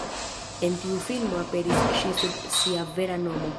En tiu filmo aperis ŝi sub sia vera nomo.